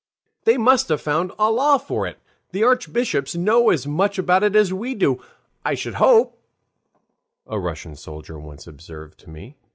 "They must have found a law for it. The archbishops know as much about it as we do, I should hope," a Russian soldier once observed to me.